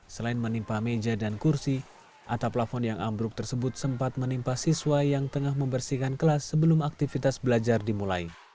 selain menimpa meja dan kursi atap lafon yang ambruk tersebut sempat menimpa siswa yang tengah membersihkan kelas sebelum aktivitas belajar dimulai